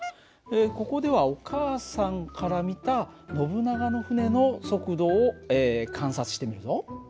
ここではお母さんから見たノブナガの船の速度を観察してみるぞ。